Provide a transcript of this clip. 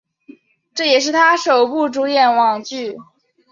这也是他的首部主演网剧。